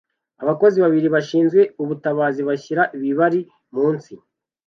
abakozi babiri bashinzwe ubutabazi bashyira ibibari munsi